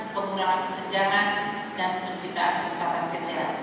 pengurangan kesenjangan dan penciptaan kesempatan kerja